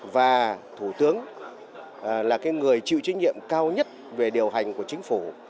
và thủ tướng là người chịu trách nhiệm cao nhất về điều hành của chính phủ